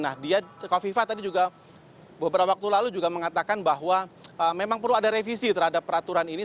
nah dia kofifa tadi juga beberapa waktu lalu juga mengatakan bahwa memang perlu ada revisi terhadap peraturan ini